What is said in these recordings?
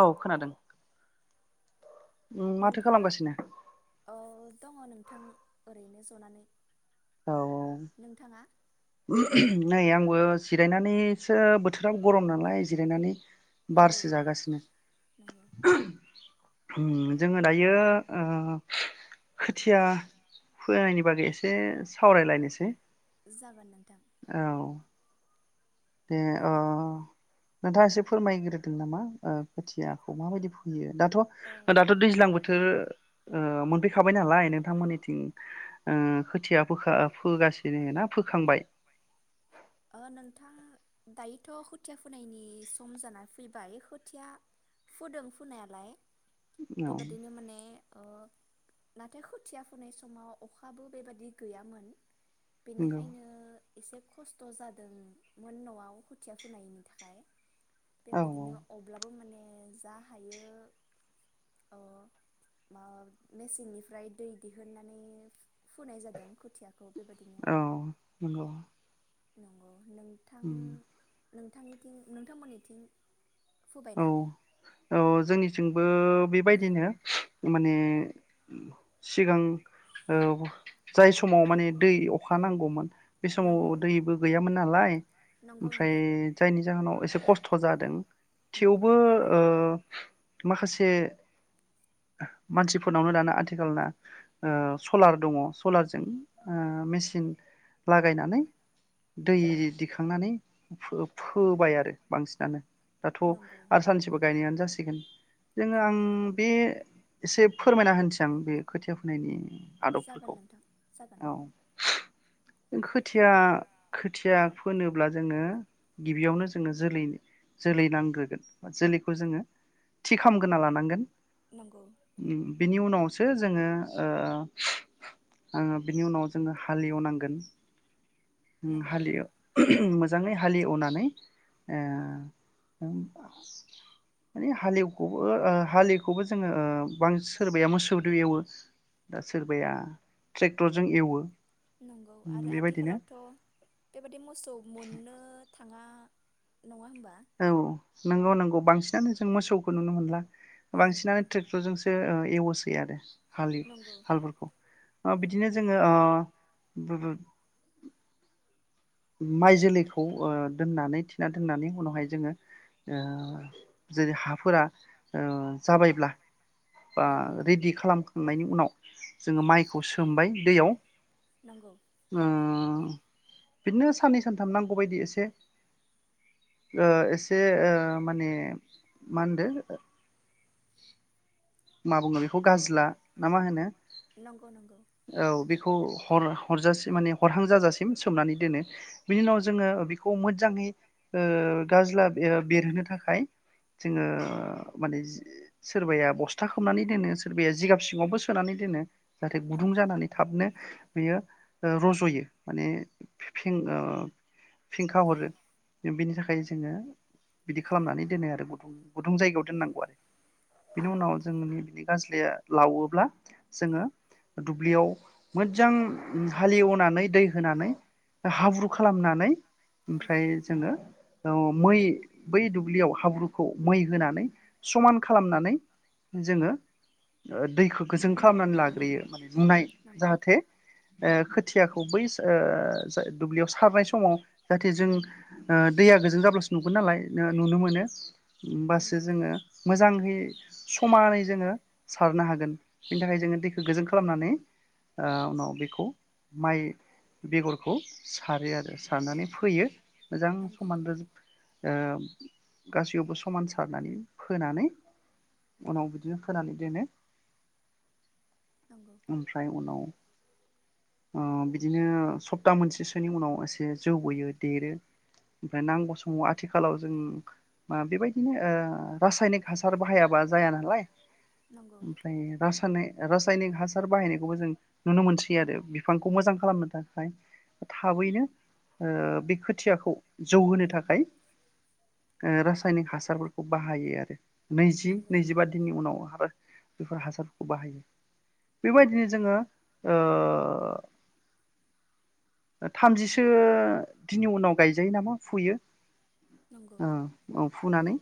औ खोनादों नोंथाङा औ दङ नों थां ओरैनो जनानै नोंथाङा नै आंबो जिरायनानैसो बोथोराबो गरम नालाय जिरायनानै बारसो जागासिनो उम जोङो दायो ओ खोथिया फोनायनि बागै एसे सावरायलायनोसै जागोन नोंथां दे अ नोंथाङा एसे फोरमायग्रोदों नामा? ओ खोथियाखौ माबादि फुयो? दाथ' दाथ' दैज्लां बोथोर ओ मोनफैखाबाय नालाय नोंथांमोननिथिं ओ खोथिया फोखा फोगासिनो ना फोखांबाय? ओ नोंथां दायोथ' खोथिया फुनायनि सम जाना फैबाय खोथिया फुदों फुनायालाय बेबादिनो माने ओ नाथाय खोथिया फुनाय समाव अखाबो बेबादि गैयामोन बेनिखायनो इसे खस थ' जादोंमोन न'आव खुथिया फुनायनि थाखाय बेबादिनो अब्लाबो माने ओ जा हायो ओ ओ मेसिननिफ्राय दै दिहुननानै फुनाय जादों खुथियाखौ बेबादिनो नोंथां नोंथांनिथिं नोंथांमोननिथिं फुबायना ओ जोंनिथिंबो बेबायदिनो माने सिगां ओ जाय समाव माने दै अखा नांगौमोन बे समाव दैबो गैयामोन नालाय ओमफ्राय जायनि जाहोनाव एस खस्थ' जादों थेवबो ओ माखासे मानसिफोरनावनो दाना आथिखालना ओ सलार दङ' सलारजों मेसिन लागायनानै दै दिखांनानै फो फोबाय आरो बांसिनानो दाथ' आरो [unintelligible] गायनायानो जासिगोन जोङो आं बे इसे फोरमायना होनिसै आं बे खोथिया फुनायनि जागोन नोंथां जागोन। खोथिया खोथिया फोनोब्ला जोङो गिबियावनो जोङो जोलैनि जोलै नांग्रोगोन जोलैखौ जोङो थि खालामग्रोना लानांगोन नंगौ। बिनि उनावसो जोङो ओ [unintelligible] ओ बिनि उनाव जोङो हालिएवनांगोन ओम हालिया [unintelligible] मो जाङै हालिएवनानै ओ माने हालेवखौबो ओ हालेवखौबो जोङो ओ बांस सोरबाया मोसौदो एवो बा सोरबाया ट्रेक्टरजों एवो नंगौ आरो आथिखालावथ' बेबायदि मोसौ मोननो थाङा औ नोंगौ नोंगौ बांसिनानो जों मोसौखौ नुनो मोनला बांसिनानो ट्रेक्टरजोंसो एवो सै आरो हलियो हालफोरखौ बिदिनो जोङो माइ जोलैखौ दोननानै थिना दोननानै उनावहाय जोङो जेरै हाफोरा जाबायब्ला बा रेडि खालामखांनायनि उनाव जोङो माइखौ सोमबाय दैयाव नंगौ औ बिदिनो साननै सानथाम नांगौ बायदि एसे एसे माने मा होनदों मा बुङो बेखौ गाजोला ना मा होनो औ बेखौ हरजासे माने हरहां जाजासिम सोमनानै दोनो बिनि उनाव जोङो बेखौ मोजाङै गाज्ला बेरहोनो थाखाय जोङो माने सोरबाया बसथा खुथा खोमनानै दोनो सोरबाया जिगाब सिङावबो सोनानै दोनो जाहाथे गुदुं जानानै थाबनो बियो रज'यो माने फ फेंखा हरो बिनि थाखाय जोङो बिदि खालामनानै दोनो आरो गुथुं गुदुं जायगायाव दोननांगौ आरो बिनि उनाव जोंनि बिनि गाज्रिया लावोब्ला जोङो दुब्लियाव मोजां हालेएवनानै दै होनानै हाब्रु खालामनानै उमफाय जोङो मै बै दुब्लियाव हाब्रुखौ मै होनानै समान खालामनानै जोङो दैखौ गोजों खालामनानै लाग्रोयो माने नुनाय जाहाथे खोथियाखौ बै द सारनाय समाव जाहाथे जों दैया गोजों जाब्लासो नुगोन नालाय नुनो मोनो होमबासो जोङो मोजाङै समानै जोङो सारनो हागोन बेनि थाखाय जोङो दैखौ गोजोन खालामनानै उनाव बेखौ माइ बेगरखौ सारो आरो सारनानै फोयो मोजां समान रो गासैयावबो समान सारनानै फोनानै उनाव बिदिनो फोरानै दोनो ओमफ्राय उनाव बिदिनो सप्ता मोनसेसोनि उनाव एसे जौ बोयो देरो ओमफ्राय नांगौ समाव आथिखालाव जों बेबायदिनो रासायनिक हासार बाहायाबा जाया नालाय ओमफ्राय रासायनिक रासायनिक हासार बाहायनायखौबो जों नुनो मोनसै आरो बिफांखौ मोजां खालामनो थाखाय थाबैनो बे खोथियाखौ जौहोनो थाखाय रासायनिक हासारफोरखौ बाहायो आरो नैजि नैजिबा दिननि उनाव हागोन। बेफोर हासारफोरखौ बाहायो बेबायदिनो जोङो ओ थामजिसो दिननि उनाव गायजायो नामा फुयो औ औ फुनानै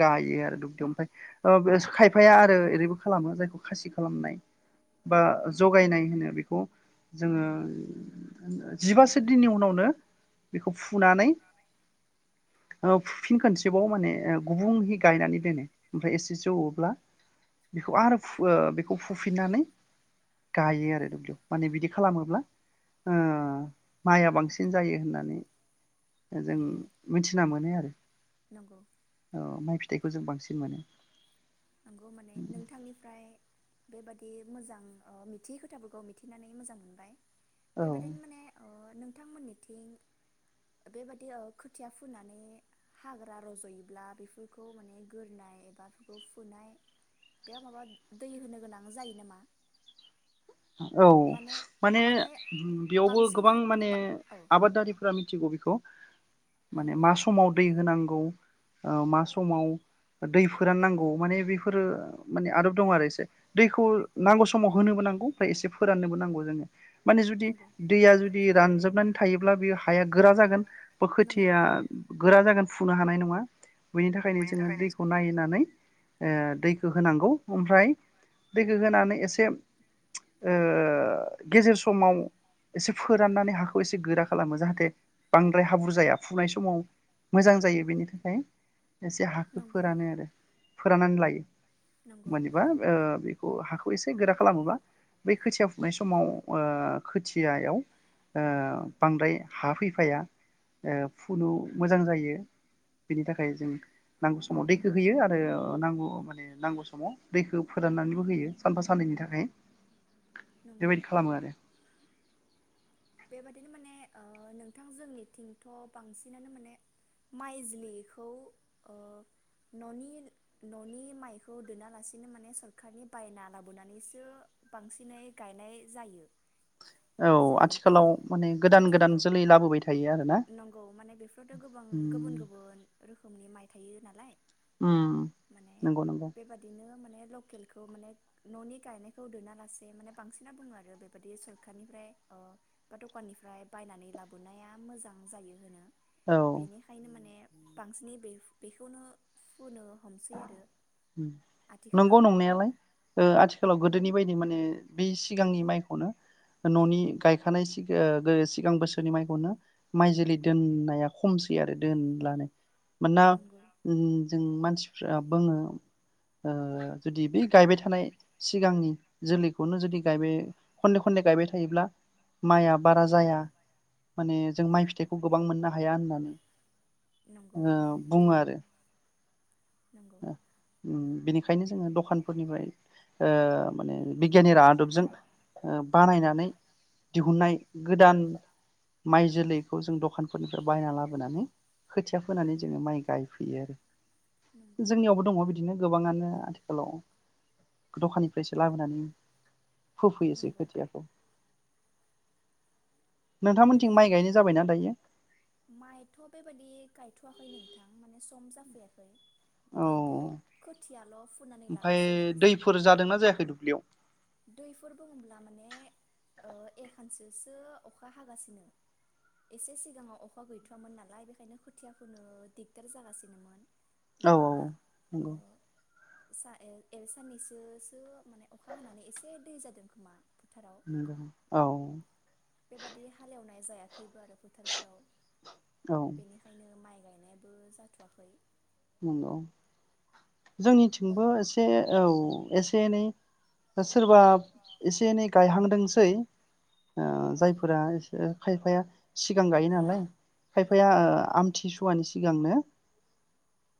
गायो आरो दुब्लियाव ओमफ्राय खायफाया आरो ओरैबो खालामो जायखौ खासि खालामनाय बा जगायनाय होनो बे खौ जोङो जिबासो दिननि उनावनो बेखौ फुनानै ओ फुफिन खनसेबाव माने गुबुंहै गायनानै दोनो ओमफ्राय एसेसो जौवोब्ला बेखौ आरो ओ बेखौ फुफिननानै गायो आरो माने बिदि खालामोब्ला ओ माइया बांसिन जायो होननानै जों मिथिना मोनो आरो औ माइ फिथाइखौ जों बांसिन मोनो नंगौ माने नोंथांनिफ्राय बेबादि मोजां मिथियै खोथाफोरखौ मिथिनानै मोजां मोनबाय बेबायदिनो माने अ नोंथांमोननिथिं बेबादि खोथिया फुनानै हाग्रा रज'योब्ला बेफोरखौ माने गोरनाय एबा बेफोरखौ फुनाय बेयाव माबा दै होनो गोनां जायो नामा? औ माने बेयावबो गोबां माने आबादारिफोरा गबिखौ माने मा समाव दै होनांगौ ओ मा समाव दै फोराननांगौ माने बेफोरो माने आदब दङ आरो एसे दैखौ नांगौ समाव होनोबो नांगौ। ओमफ्राय एसे फोराननोबो नांगौ जोङो माने जुदि दैया जुदि बिदि रानजोबनानै थायोब्ला बे हाया गोरा जागोन। बो खोथिया गोरा जागोन फुनो हानाय नङा। बेनि थाखायनो जोङो दैखौ नायनानै ओ दैखौ होनांगौ ओमफ्राय दैखौ होनानै एसे ओ गेजेर समाव एसे फोराननानै हाखौ एसे गोरा खालामो जाहाथे बांद्राय हाब्रुर जाया फुनाय समाव मोजां जायो बेनि थाखाय एसे हाखौ फोरानो आरो फोराननानै लायो। [inaudible] मोनबा ओ बेखौ हाखौ एसे गोरा खालामोबा बै खोथिया फुनाय समाव ओ खोथियायाव ओ बांद्राय हा फैफाया ओ फुनो मोजां जायो बेनि थाखाय जों नांगौ समाव दैखो होयो आरो नांगौ माने नांगौ समाव दैखौ फोराननानैबो होयो सानफा साननैनि थाखाय बेबायदि खालामो आरो बेबादिनो माने नोंथां जोंनिथिंथ' बांसिनानो माने माइजलिखौ ओ न'नि न'नि माइखौ दोना लासिनो माने सरखारनि बायना लाबोनानैसो बांसिनै गायनाय जायो औ आथि आथिखालाव नंगौ माने बेफोरावथ गोबां गुबुन गुबुन रोखोमनि माइ थायो नालाय नंगौ नंगौ माने लकेलखौ माने न'नि गायनायखौ दोना लासे माने बांसिना बुङो आरो बेबायादि सरखारनिफ्राय बा दखाननिफ्राय बायनानै लाबोनाया मोजां जायो होनो बेनिखायनो माने बांसिनै बे बेखौनो फुनो नंगौ नंनायालाय आथिखालाव गो गोदोनि बायदि माने बे सिगांनि माइखौनो न'नि गायखानाय सिगां बोसोरनि माइखौनो माइ जोलै दोननाया खमसै आरो दोलानो मानोना जों मानसि बुङो जुदि बे गायबाय थानाय सिगांनि जोलैखौनो जुदि गायबाय खनले खनले गायबाय थायोब्ला माइआ बारा जाया माने जों माइ फिथाइखौ गोबां मोननो हाया हाया होननानै बुङो आरो बेनिखाय बेखायनो जोङो दखानफोरनिफ्राय माने बिगियनि आदबजों बानायनानै दिहुननाय गोदान माइ जोलैखौ जों दखानफोरनिफ्राय बायना लाबोनानै खोथिया फोनानै जोङो माइ गायफैयो आरो जोंनियावबो दङ बिदिनो गोबाङानो आथिखालाव दखाननिफ्रायसो लाबोनानै फोफैयोसै खोथियाखौ बेबायादि मोनो माइथ' बेबायादि गाय थ'वाखै नोंथां माने सम जाफैयाखै बयबो खोथियाल' फोनानै लागासिनो दैफोर बुङोब्ला माने ओ एखानसोसो अखा हागासिनो एसे सिगाङाव अखा गैथ'वामोन नालाय बेखायनो खोथियाफोनो दिगदार जागासिनोमोन औ औ औ नंगौ सा ओ एबेसाननैसोसो माने अखा हाना नै एसे दै जादों खोमा नंगौ औ जायाखै आरो फोथारफ्राव बेनिखायनो माइ गायनायबो जाथ'वाखै उम उम जोंनिथिंबो एसे औ एसे एनै सोरबा एसे एनै गायहांदोंसै ओ जायफोरा एसे खायफाया सिगां गायो नालाय खायफाया आमथि सुवानि सि सिगां नो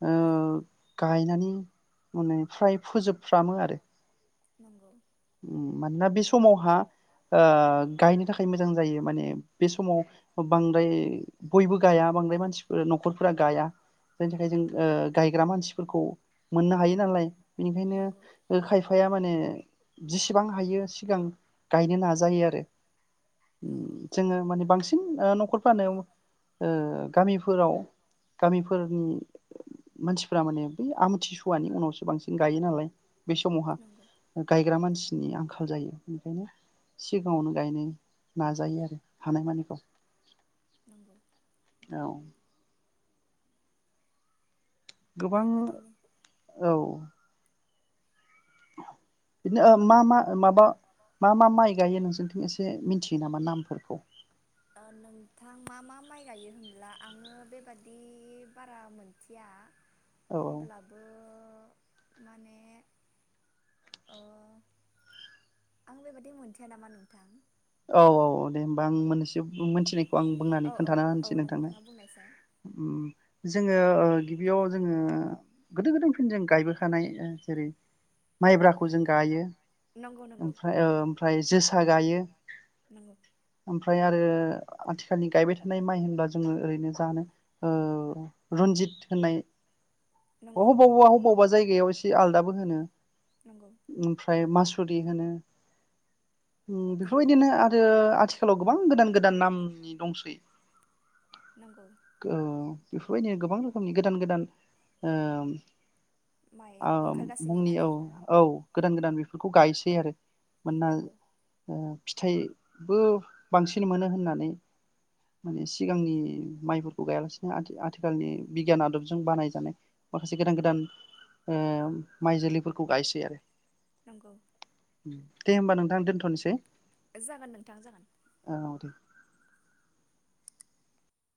ओ गायनानै माने फ्राय फोजोबफ्रामो आरो नंगौ मानोना बे समावहा ओ गायनो थाखाय मोजां जायो माने बे समाव बांद्राय बयबो गाया बांद्राय मानसिफोर न'खरफोरा गाया जायनि थाखाय जों ओ गायग्रा मानसिफोरखौ मोननो हायो नालाय बेनिखायनो खायफाया माने जेसेबां हायो सिगां गायनो नाजायो आरो जोंङो माने बांसिन ओ न'खर फोरानो ओ गामिफोराव गामिफोरनि मानसिफ्रा माने बै आम थिसुवानि उनावसो बांसिन गायो नालाय बे समावहा दा मानसिनि आंखाल जायो बेनिखायनो सिगांङावनो गायनो नाजायो आरो हानायमानिखौ नंगौ औ गोबां औ [unintelligible] मा मा माबा मा मा माइ गायो नोंसिनिथिं एसे मिथियो नामा नामफोरखौ माइ गायो होनब्ला आंङो बेबादि बारा मोनथिया अब्लाबो माने अ आं बेबादि मोनथिया नामा नोंथां औ - औ - औ दे होमबा आं मोननैसो मिथिनाय आं बुंनानै खोन्थाना होनसै नोंथांनो जोंङो गिबियाव जोंङो गोदो गोदाय फिन जों गायबोखानाय जेरै माइब्राखौ जों गायो ओमफ्राय ओमफ्राय जोसा गायो नंगौ ओमफ्राय आरो आथिखालनि गायबाय थानाय माइ होनब्ला जोंङो ओरैनो जानो रन्जित होननाय अ अबाव अबा अबावबा जायगायाव एसे आलदाबो होनो ओमफ्राय मास [unintelligible] होनो बेफोरबायदिनो आरो आथिखाल आथिखालाव गोबां गोदान गोदान नामनि दंसै ओ बेफोरबायदिनो गोबां रोखोमनि गोदान गोदान ओ औ मुंनि औ - औ गोदान गोदान बेखौ गायसै आरो मोनोना फिथाइबो बांसिन मोनो होननानै माने सिगांनि माइफोरखौ गायालासेनो आथिखालनि बिगियान आदबजों बानायजानाय माखासे गोदान गोदान माइ जोलैफोरखौ गायसै आरो नंगौ दे होनबा नोंथां दोनथनोसै जागोन नोंथां जागोन